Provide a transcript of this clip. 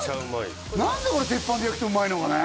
何でこれ鉄板で焼くとうまいのかね・